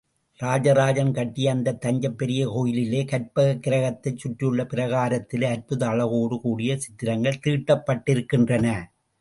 ராஜராஜன் கட்டிய அந்தத் தஞ்சைப் பெரிய கோயிலிலே கர்ப்பக்கிரகத்தைச் சுற்றியுள்ள பிரகாரத்திலே அற்புத அழகோடு கூடிய சித்திரங்கள் தீட்டப்பட்டிருக்கின்றன.